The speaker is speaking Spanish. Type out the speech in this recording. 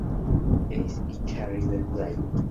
Es hincha de River Plate.